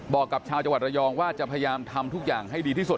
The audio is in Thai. บอกกับชาวจังหวัดระยองว่าจะพยายามทำทุกอย่างให้ดีที่สุด